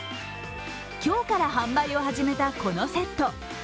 今日から販売を始めたこのセット。